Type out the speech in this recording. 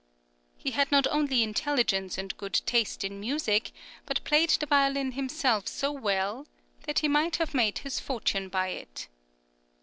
He had not only intelligence and good taste in music, but played the violin himself so well "that he might have made his fortune by it."